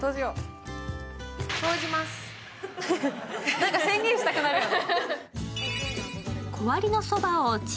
何か宣言したくなるよね。